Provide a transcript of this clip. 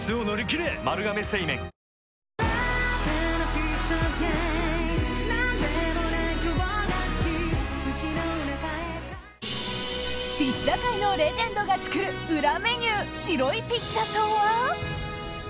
ピッツァ界のレジェンドが作る裏メニュー白いピッツァとは？